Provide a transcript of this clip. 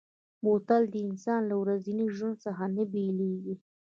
بوتل د انسان له ورځني ژوند څخه نه بېلېږي.